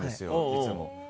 いつも。